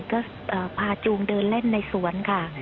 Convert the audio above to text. ก็พาจูงเดินเล่นในสวนค่ะ